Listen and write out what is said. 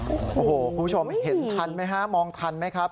โอ้โหคุณผู้ชมเห็นทันไหมฮะมองทันไหมครับ